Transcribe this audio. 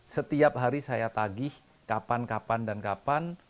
setiap hari saya tagih kapan kapan dan kapan